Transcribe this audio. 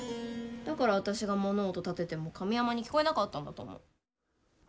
だから私が物音立てても神山に聞こえなかったんだと思う。